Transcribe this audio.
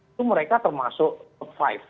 itu mereka termasuk ke lima